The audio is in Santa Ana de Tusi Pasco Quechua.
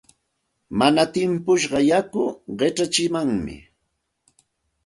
Mana timpushqa yaku qichatsimanmi.